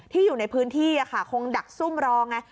อยู่ในพื้นที่คงดักซุ่มรอไง